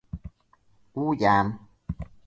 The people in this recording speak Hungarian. Úgy ám!